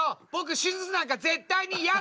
手術なんか絶対にやだ！